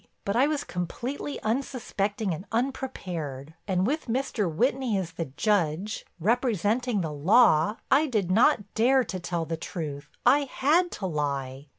But I was completely unsuspecting and unprepared, and with Mr. Whitney as the judge, representing the law, I did not dare to tell the truth, I had to lie.